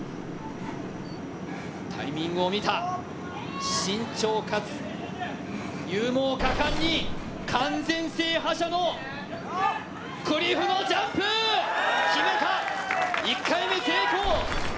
タイミングを見た、慎重かつ勇猛果敢に、完全制覇者のクリフのジャンプ、決めた、１回目成功。